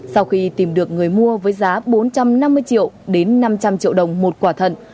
sau khi tìm được người mua với giá bốn trăm năm mươi triệu đến năm trăm linh triệu đồng một quả thận